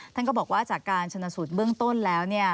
ท่านก็บอกว่าจากการชนสูตรเบื้องต้นแล้ว